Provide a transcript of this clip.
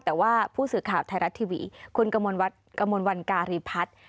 แต่ว่าผู้สื่อข่าวไทยรัฐทีวีคุณกระมวลวันการีพัฒน์